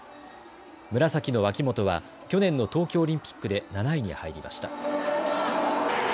紫の脇本は去年の東京オリンピックで７位に入りました。